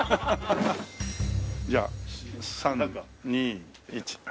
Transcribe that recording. じゃあ３２１。